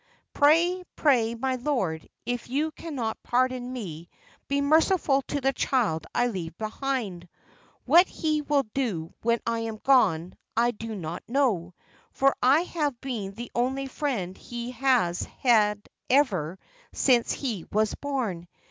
Pray, pray, my lord, if you cannot pardon me, be merciful to the child I leave behind. What he will do when I am gone, I don't know, for I have been the only friend he has had ever since he was born.